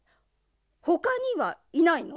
ほかにはいないの？